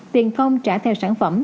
tiền không trả theo sản phẩm